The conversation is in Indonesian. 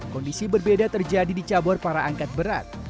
kondisi berbeda terjadi di cabur para angkat berat